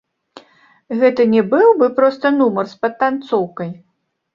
Гэта не быў бы проста нумар з падтанцоўкай.